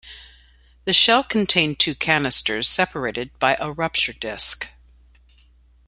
The shell contained two canisters separated by a rupture disk.